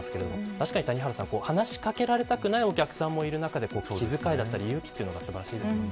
確かに話し掛けられたくないお客さんもいる中で気遣いや勇気は素晴らしいですね。